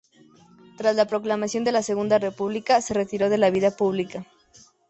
Tras la proclamación de la Segunda República se retiró de la vida pública.